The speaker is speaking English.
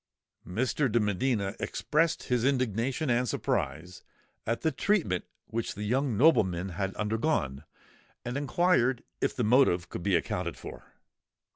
Mr. de Medina expressed his indignation and surprise at the treatment which the young nobleman had undergone, and inquired if the motive could be accounted for.